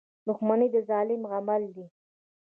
• دښمني د ظالم عمل دی.